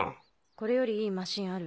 これよりいいマシンある？